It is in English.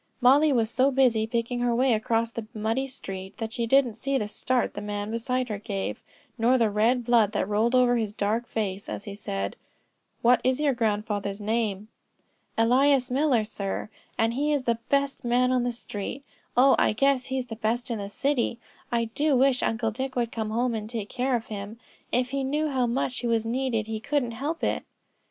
Mollie was so busy picking her way across the muddy street that she didn't see the start the man beside her gave, nor the red blood that rolled over his dark face as he said: "What is your grandfather's name?" "Elias Miller, sir; and he is the best man on the street; oh I guess he's the best in the city. I do wish Uncle Dick would come home and take care of him. If he knew how much he was needed he couldn't help it."